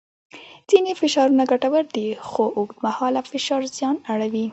ځینې فشارونه ګټور دي خو اوږدمهاله فشار زیان اړوي.